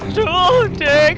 aduh aduh dek